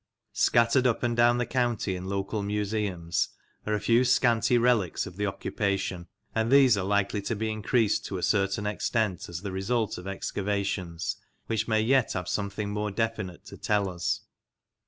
Scattered up and down the county in the local museums are a few scanty relics of the occupation, and these are likely to be increased to a certain extent as the result of excavations, which may yet have something more definite to tell us.